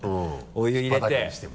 お湯入れて。